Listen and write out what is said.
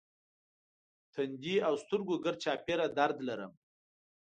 تندی او سترګو ګرد چاپېره درد لرم.